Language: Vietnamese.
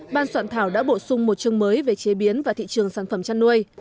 ban soạn thảo đã bổ sung một chương mới về chế biến và thị trường sản phẩm chăn nuôi